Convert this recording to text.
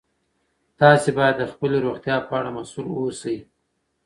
تاسي باید د خپلې روغتیا په اړه مسؤل اوسئ.